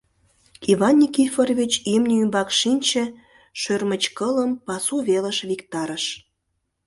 Иван Никифорович имне ӱмбак шинче, шӧрмычкылым пасу велыш виктарыш.